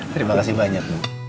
terima kasih banyak bu